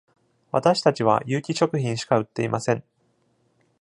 私たちは有機食品しか売っていません。